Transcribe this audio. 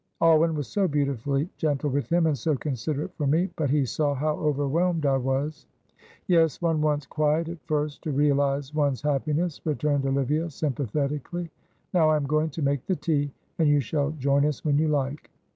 Alwyn was so beautifully gentle with him and so considerate for me, but he saw how overwhelmed I was." "Yes, one wants quiet at first to realise one's happiness," returned Olivia, sympathetically. "Now I am going to make the tea, and you shall join us when you like."